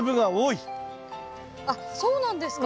あっそうなんですか？